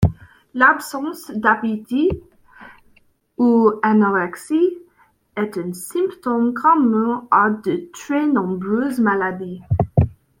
L’absence d'appétit, ou anorexie, est un symptôme commun à de très nombreuses maladies.